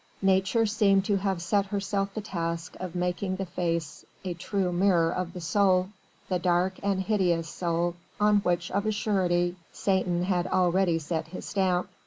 Nature seemed to have set herself the task of making the face a true mirror of the soul the dark and hideous soul on which of a surety Satan had already set his stamp.